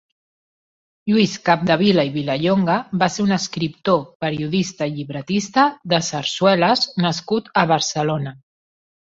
Lluís Capdevila i Vilallonga va ser un escriptor, periodista i llibretista de sarsueles nascut a Barcelona.